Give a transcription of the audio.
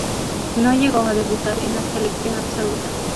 No llegó a debutar con la selección absoluta.